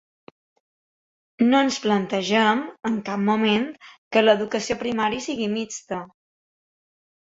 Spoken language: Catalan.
No ens plantegem en cap moment que l’educació primària sigui mixta.